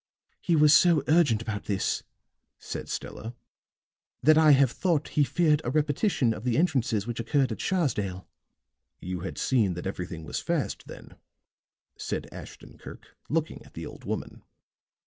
"He was so urgent about this," said Stella, "that I have thought he feared a repetition of the entrances which occurred at Sharsdale." "You had seen that everything was fast, then?" said Ashton Kirk, looking at the old woman.